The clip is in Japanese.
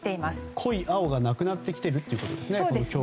濃い青がなくなってきているということですね。